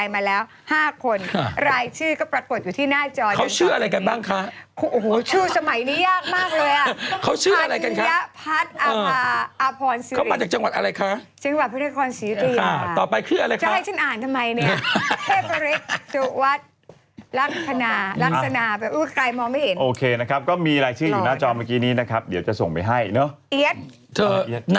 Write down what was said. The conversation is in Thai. มารวมตัวกันแจ้งพระธิทธิ์ช่อง๓พร้อมกับมอบลายเซ็นต์ให้กับแฟน